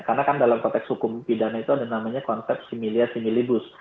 karena kan dalam konteks hukum pidana itu ada namanya konsep similia similibus